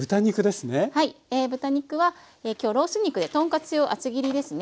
豚肉は今日ロース肉で豚カツ用厚切りですね。